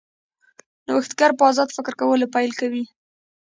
نوښتګر په ازاد فکر کولو پیل کوي.